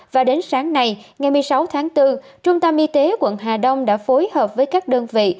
và đến sáng nay ngày một mươi sáu tháng bốn trung tâm y tế quận hà đông đã phối hợp với các đơn vị